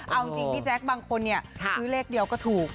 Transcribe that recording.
เอาจริงพี่แจ๊คบางคนซื้อเลขเดียวก็ถูก